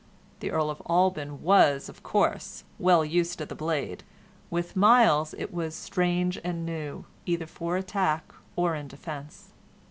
The Earl of Alban was, of course, well used to the blade; with Myles it was strange and new, either for attack or in defence.